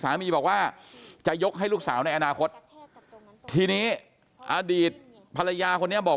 บอกว่าจะยกให้ลูกสาวในอนาคตทีนี้อดีตภรรยาคนนี้บอก